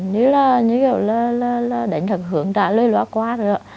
như là như kiểu là đánh thật hướng đã lơi loa quá rồi ạ